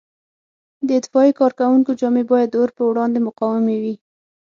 د اطفایې کارکوونکو جامې باید د اور په وړاندې مقاومې وي.